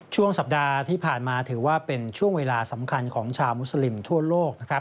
ช่วงสัปดาห์ที่ผ่านมาถือว่าเป็นช่วงเวลาสำคัญของชาวมุสลิมทั่วโลกนะครับ